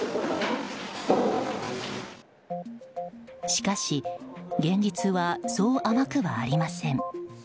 しかし、現実はそう甘くはありません。